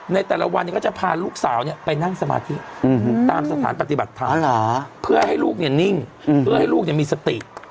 ในแต่ละวันก็จะพาลูกสาวไปนั่งสมาธิตามสถานปฏิบัติธรรมเพื่อให้ลูกเนี่ยนิ่งเพื่อให้ลูกมีสติ